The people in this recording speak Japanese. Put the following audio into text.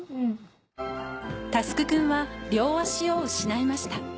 奨君は両足を失いました